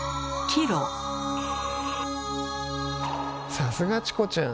さすがチコちゃん。